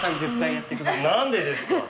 何でですか。